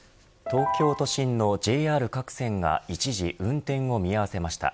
東京都心のＪＲ各線が一時運転を見合わせました。